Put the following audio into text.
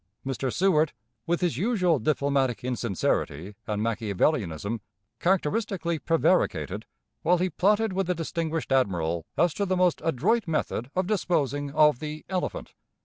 Mr. Seward, with his usual diplomatic insincerity and Machiavellianism, characteristically prevaricated, while he plotted with a distinguished admiral as to the most adroit method of disposing of the "elephant."